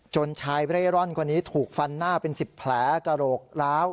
ชายเร่ร่อนคนนี้ถูกฟันหน้าเป็น๑๐แผลกระโหลกร้าว